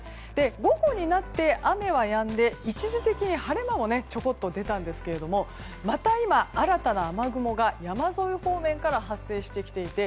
午後になって雨はやんで一時的に晴れ間もちょこっと出たんですがまた今、新たな雨雲が山沿い方面から発生してきていて